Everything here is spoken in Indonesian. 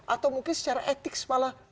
atau mungkin secara etik malah